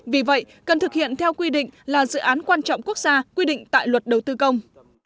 vì vậy cần thực hiện theo quy định là dự án quan trọng quốc gia quy định tại luật đầu tư công